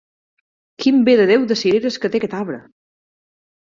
Quin bé de Déu de cireres que té aquest arbre!